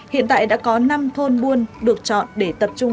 hiện tại đã có năm thôn buôn được chọn để tập trung